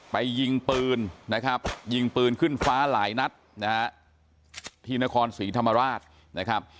ยิงปืนนะครับยิงปืนขึ้นฟ้าหลายนัดนะฮะที่นครศรีธรรมราชนะครับ